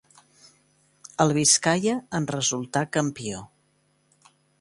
El Biscaia en resultà campió.